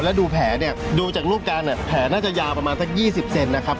แล้วดูแผลเนี่ยดูจากรูปการเนี่ยแผลน่าจะยาวประมาณสัก๒๐เซนนะครับ